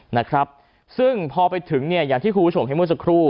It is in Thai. นะครับซึ่งพอไปถึงเนี่ยอย่างที่คุณผู้ชมเห็นเมื่อสักครู่